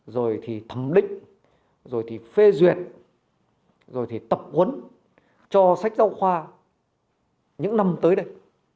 rồi thì thẩm định rồi thì phê duyệt rồi thì tập huấn cho sách giáo khoa những năm tới đây